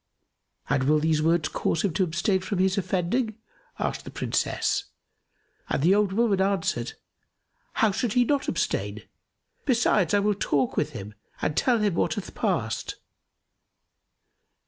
"And will these words cause him to abstain from his offending?" asked the Princess; and the old woman answered, "How should he not abstain? Besides, I will talk with him and tell him what hath passed."